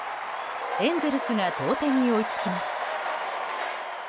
エンゼルスが同点に追いつきます。